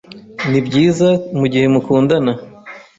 Nibyiza mugihe mukundana.